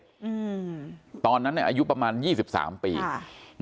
อืมตอนนั้นเนี่ยอายุประมาณยี่สิบสามปีค่ะ